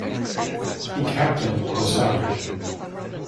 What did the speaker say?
He captained the side.